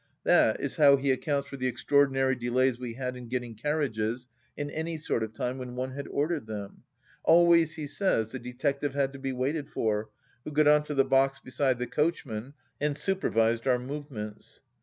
That is how he accounts for the extraordinary delays we had in getting carriages in any sort of time when one had ordered them — always, he says, the detective had to be waited for, who got on to the box beside the coachman and supervised our movements.